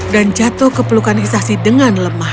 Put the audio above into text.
dan jatuh ke pelukan hisashi dengan lemah